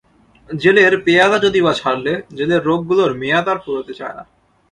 জেলের পেয়াদা যদি বা ছাড়লে জেলের রোগগুলোর মেয়াদ আর ফুরোতে চায় না।